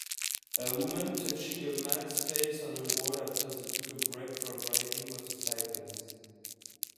A woman touching a man s face on a wall after they took a break from riding motorcycles